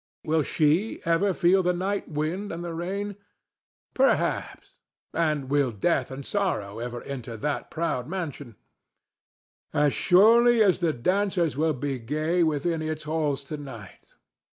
Will she ever feel the night wind and the rain? Perhaps—perhaps! And will Death and Sorrow ever enter that proud mansion? As surely as the dancers will be gay within its halls to night.